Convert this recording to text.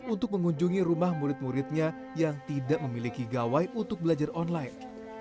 untuk mengunjungi rumah murid muridnya yang tidak memiliki gawai untuk belajar online